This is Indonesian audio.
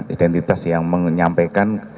identitas yang menyampaikan